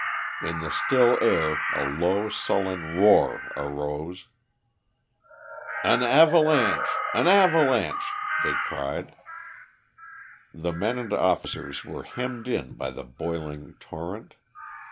In the still air a low sullen roar arose. "An avalanche! An avalanche!!" they cried. The men and officers were hemmed in by the boiling torrent.